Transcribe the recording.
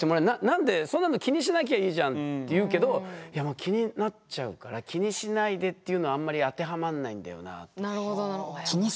「何でそんなの気にしなきゃいいじゃん」って言うけど気になっちゃうから「気にしないで」っていうのはあんまり当てはまんないんだよなぁ。